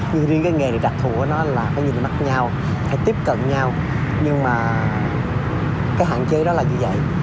nhưng riêng cái nghề đặc thù của nó là phải nhìn mắt nhau phải tiếp cận nhau nhưng mà cái hạn chế đó là như vậy